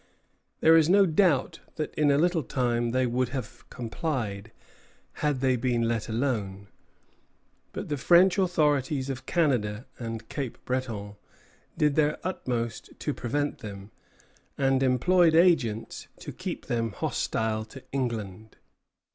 There is no doubt that in a little time they would have complied, had they been let alone; but the French authorities of Canada and Cape Breton did their utmost to prevent them, and employed agents to keep them hostile to England.